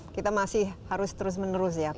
ya tiap kita masih harus terus menerus ya